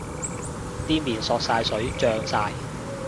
啲麵索晒水脹晒